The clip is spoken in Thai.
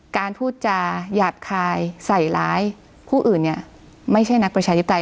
การพูดจาหยาบคายใส่ร้ายผู้อื่นเนี่ยไม่ใช่นักประชาธิปไตย